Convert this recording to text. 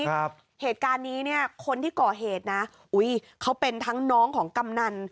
ครับเหตุการณ์นี้เนี่ยคนที่ก่อเหตุนะอุ้ยเขาเป็นทั้งน้องของกำนัน